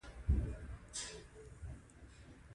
دا د دې هېواد د سیاسي بنسټونو د پایلې په توګه دي.